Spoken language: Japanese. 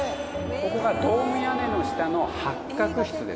ここがドーム屋根の下の八角室ですね。